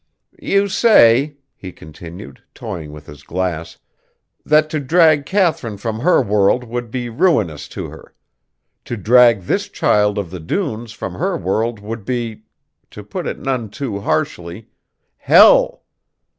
"You say," he continued, toying with his glass, "that to drag Katharine from her world would be ruinous to her; to drag this child of the dunes from her world would be to put it none too harshly hell!